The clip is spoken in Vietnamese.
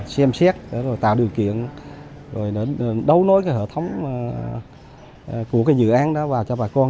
xem xét tạo điều kiện đấu nối hệ thống của dự án đó vào cho bà con